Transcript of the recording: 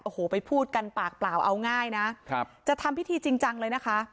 โอ้โหไปพูดกันปากเปล่าเอาง่ายนะครับจะทำพิธีจริงจังเลยนะคะ